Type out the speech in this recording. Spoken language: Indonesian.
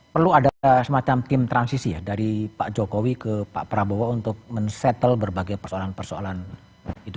perlu ada semacam tim transisi ya dari pak jokowi ke pak prabowo untuk men settle berbagai persoalan persoalan itu